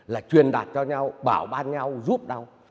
là truyền đạt cho nhau bảo ban nhau giúp nhau